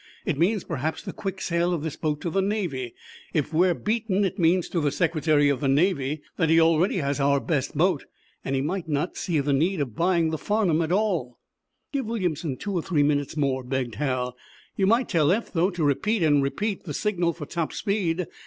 It means, perhaps, the quick sale of this boat to the Navy. If we're beaten it means, to the Secretary of the Navy, that he already has our best boat, and he might not see the need of buying the 'Farnum' at all." "Give Williamson two or three minutes more," begged Hal. "You might tell Eph, though, to repeat, and repeat, the signal for top speed.